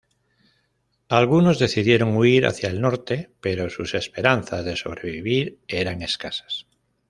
Algunos decidieron huir hacia el norte, pero sus esperanzas de sobrevivir eran escasas.